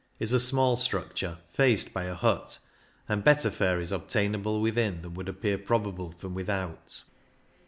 is a small structure, faced by a hut, and better fare is obtainable within than would ap pear probable from without.